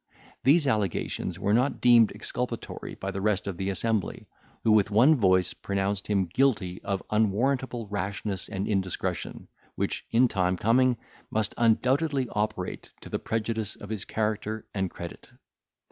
These allegations were not deemed exculpatory by the rest of the assembly, who with one voice pronounced him guilty of unwarrantable rashness and indiscretion, which, in time coming, must undoubtedly operate to the prejudice of his character and credit.